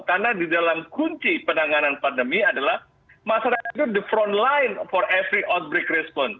karena di dalam kunci penanganan pandemi adalah masyarakat itu the front line for every outbreak response